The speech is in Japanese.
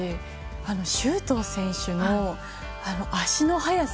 あと、周東選手の足の速さ。